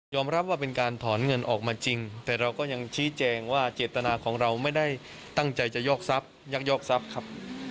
ยอมรับว่าเป็นการถอนเงินออกมาจริงแต่เราก็ยังชี้แจงว่าเจตนาของเราไม่ได้ตั้งใจยักย่อซับครับ